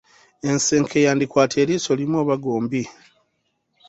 Ensenke yandikwata eriiso limu oba gombi